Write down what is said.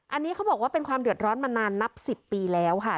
อันนี้เขาบอกว่าเป็นความเดือดร้อนมานานนับ๑๐ปีแล้วค่ะ